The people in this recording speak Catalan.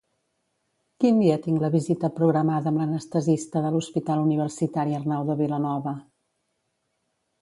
Quin dia tinc la visita programada amb l'anestesista de l'Hospital Universitari Arnau de Vilanova?